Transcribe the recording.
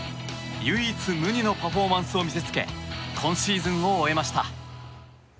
唯一無二のパフォーマンスを見せつけ今シーズンを終えました。